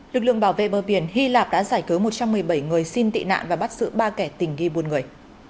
lực lượng bảo vệ bờ biển hy lạp đã giải cứu một trăm một mươi bảy người xin tị nạn và bắt giữ ba kẻ tình nghi buôn người